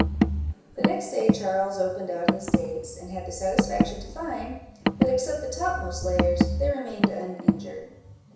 The next day Charles opened out his dates, and had the satisfaction to find, that except the topmost layers, they remained uninjured.